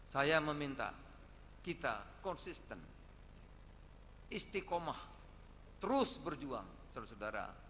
saya meminta kita konsisten istiqomah terus berjuang saudara saudara